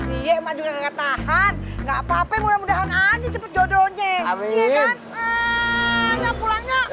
iya maksudnya tahan nggak apa apa mudah mudahan aja cepet jodohnya